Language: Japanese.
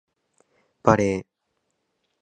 バレー